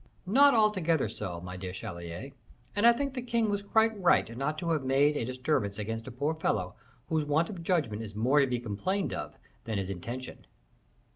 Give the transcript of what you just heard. "Not altogether so, my dear chevalier; and I think the king was quite right not to have made a disturbance against a poor fellow whose want of judgment is more to be complained of than his intention."